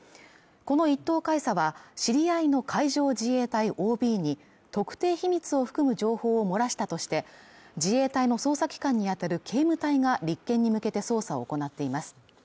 この１等海佐は知り合いの海上自衛隊ＯＢに特定秘密を含む情報を漏らしたとして自衛隊の捜査機関にあたる警務隊が立件に向けて捜査を行っています